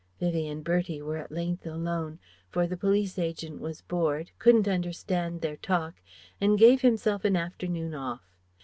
Vivie and Bertie were at length alone, for the police agent was bored, couldn't understand their talk, and gave himself an afternoon off.